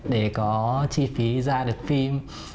để có chi phí ra được phim